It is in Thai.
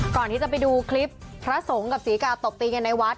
ก่อนที่จะไปดูคลิปพระสงฆ์กับศรีกาตบตีกันในวัด